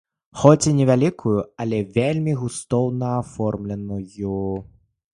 Хоць і невялікую, але вельмі густоўна аформленую.